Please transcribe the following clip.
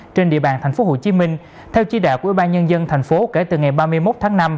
trên địa bàn tp hcm theo chi đạo của ủy ban nhân dân tp hcm kể từ ngày ba mươi một tháng năm